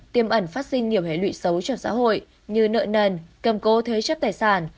tiêm ẩn phát sinh nhiều hệ lụy xấu cho xã hội như nợ nần cầm cố thế chấp tài sản